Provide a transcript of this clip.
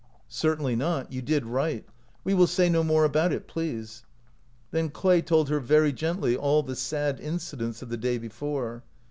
" Certainly not ; you did right. We will say no more about it, please." Then Clay told her very gently all the sad incidents of the day before.